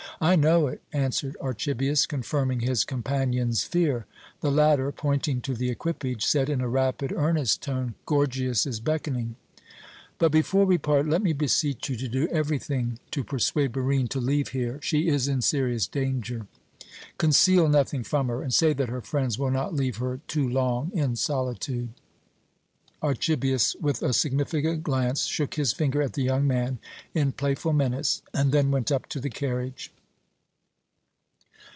"I know it," answered Archibius, confirming his companion's fear. The latter, pointing to the equipage, said in a rapid, earnest tone: "Gorgias is beckoning. But, before we part, let me beseech you to do everything to persuade Barine to leave here. She is in serious danger. Conceal nothing from her, and say that her friends will not leave her too long in solitude." Archibius, with a significant glance, shook his finger at the young man in playful menace, and then went up to the carriage.